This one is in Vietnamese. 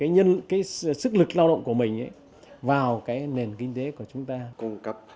nhưng cái sức lực lao động của mình vào cái nền kinh tế của chúng ta